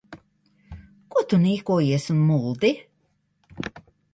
Ko tu niekojies un muldi?